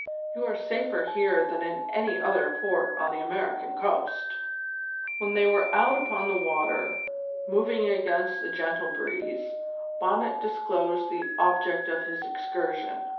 You are safer here than in any other port on the American coast." When they were out upon the water, moving against the gentle breeze, Bonnet disclosed the object of his excursion.